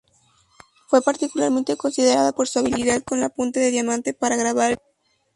Fue particularmente considerada por su habilidad con la punta de diamante para grabar vidrio.